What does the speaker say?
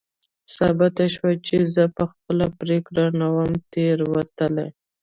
ثابته شوه چې زه په خپله پرېکړه نه وم تېروتلی.